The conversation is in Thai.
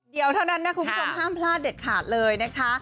เดียวเท่านั้นนะคุณผู้ชมห้ามพลาดเด็ดขาดเลยนะคะ